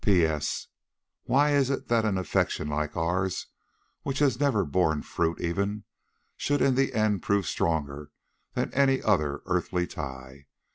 "P.S.—Why is it that an affection like ours, which has never borne fruit even, should in the end prove stronger than any other earthly tie?